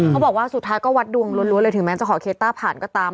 เขาบอกว่าสุดท้ายก็วัดดวงล้วนเลยถึงแม้จะขอเคต้าผ่านก็ตาม